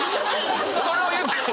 それを言ってない。